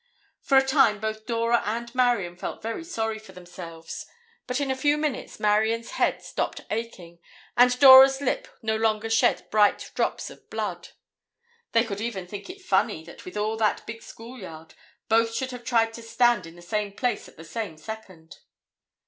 For a time both Dora and Marion felt very sorry for themselves, but in a few minutes Marion's head stopped aching and Dora's lip no longer shed bright drops of blood. They could even think it funny that with all that big school yard, both should have tried to stand in the same place at the same second.